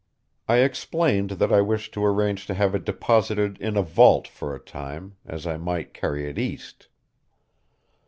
I explained that I wished to arrange to have it deposited in a vault for a time, as I might carry it East.